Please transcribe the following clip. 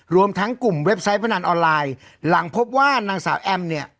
รวมทั้งกลุ่มเว็บไซต์พนันออนไลน์หลังพบว่านางสาวแอมเนี่ย